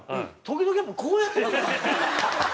時々やっぱこうやって。